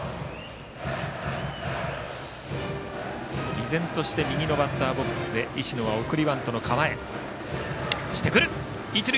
依然として右のバッターボックスで石野は送りバントの構え。